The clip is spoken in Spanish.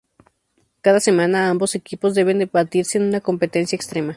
Cada semana, ambos equipos deben batirse en una competencia extrema.